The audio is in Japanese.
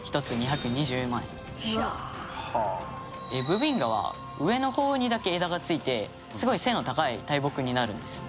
ブビンガは上の方にだけ枝がついてすごい背の高い大木になるんです。